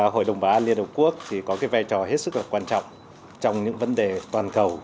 hội đồng bảo an liên hợp quốc thì có vai trò hết sức quan trọng trong những vấn đề toàn cầu